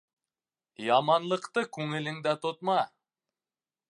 Яманлыҡты күңелеңдә тотма.